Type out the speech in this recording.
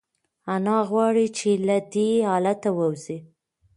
انا غواړي چې له دې حالته ووځي.